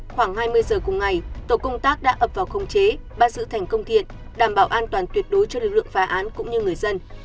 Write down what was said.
khoảng hai mươi giờ cùng ngày tổ công tác đã ập vào khống chế bắt giữ thành công thiện đảm bảo an toàn tuyệt đối cho lực lượng phá án cũng như người dân